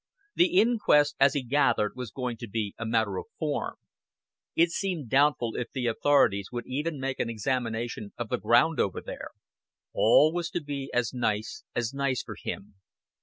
The inquest, as he gathered, was going to be a matter of form: it seemed doubtful if the authorities would even make an examination of the ground over there. All was to be as nice as nice for him.